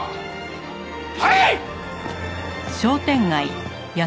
はい！